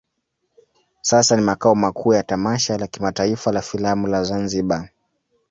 Sasa ni makao makuu ya tamasha la kimataifa la filamu la Zanzibar.